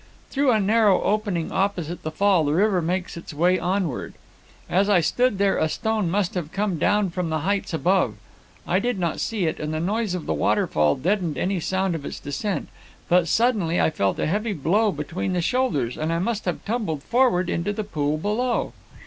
Through a narrow opening opposite the fall the river makes its way onward. As I stood there a stone must have come down from the heights above. I did not see it, and the noise of the waterfall deadened any sound of its descent, but suddenly I felt a heavy blow between the shoulders, and I must have tumbled forward into the pool below.